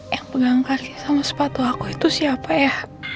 yang pegang karsi sama sepatu aku itu siapa ya